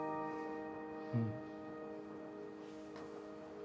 うん。